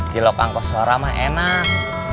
jelog angkeh suara mah enak